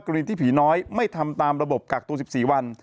กรณีที่ผีน้อยไม่ทำตามระบบกักตัว๑๔วัน